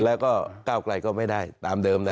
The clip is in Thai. แล้วก็ก้าวไกลก็ไม่ได้ตามเดิมนะ